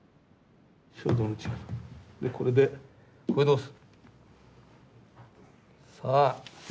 でこれでこれで押す！